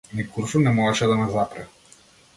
Ни куршум не можеше да ме запре.